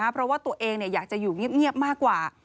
เพราะว่าตัวเองอยากจะอยู่เงียบมากกว่า